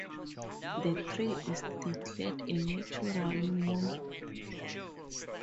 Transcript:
The tree is declared a natural monument.